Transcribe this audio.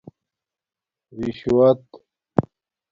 رشوت